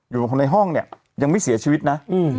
อยู่ในห้องเนี่ยยังไม่เสียชีวิตนะ